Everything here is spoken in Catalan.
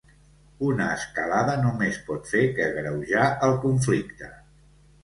Una escalada només pot fer que agreujar el conflicte.